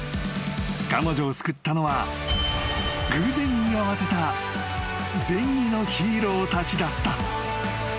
［彼女を救ったのは偶然居合わせた善意のヒーローたちだった］